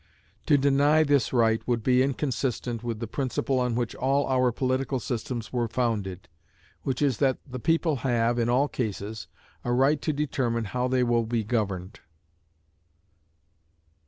To deny this right would be inconsistent with the principle on which all our political systems are founded, which is, that the people have, in all cases, a right to determine how they will be governed.